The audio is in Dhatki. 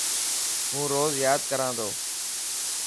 هون روز ياد ڪران ٿو.